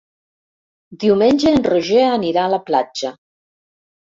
Diumenge en Roger anirà a la platja.